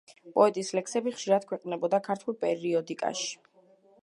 პოეტის ლექსები ხშირად ქვეყნდებოდა ქართულ პერიოდიკაში.